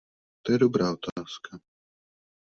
To je dobrá otázka.